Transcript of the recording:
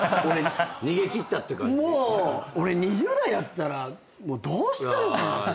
俺２０代だったらどうしたのかなって。